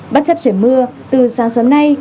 bất chấp trời mưa từ sáng sớm nay